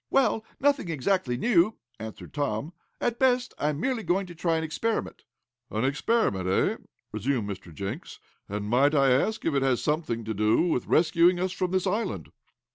"Well, nothing exactly new," answered Tom. "At best I am merely going to try an experiment." "An experiment, eh?" resumed Mr. Jenks, "And might I ask if it has anything to do with rescuing us from this island?"